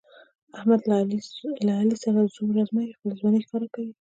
احمد له علي سره زور ازمیي، خپله ځواني ښکاره کوي.